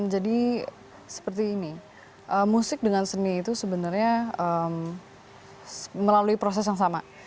jadi seperti ini musik dengan seni itu sebenarnya melalui proses yang sama